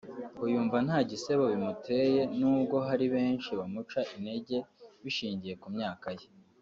ngo yumva nta gisebo bimuteye n’ubwo hari benshi bamuca integer bashingiye ku myaka ye